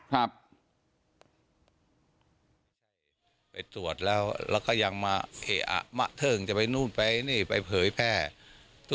ไปตรวจแล้วแล้วก็ยังมาเออะมะเทิงจะไปนู่นไปนี่ไปเผยแพร่